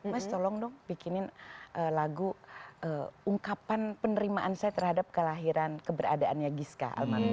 mas tolong dong bikinin lagu ungkapan penerimaan saya terhadap kelahiran keberadaannya giska